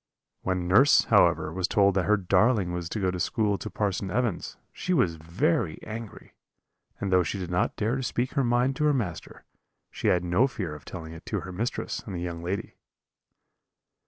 When nurse, however, was told that her darling was to go to school to Parson Evans, she was very angry; and though she did not dare to speak her mind to her master, she had no fear of telling it to her mistress and the young lady.